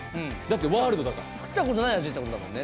だってワールドだから食ったことない味ってことだもん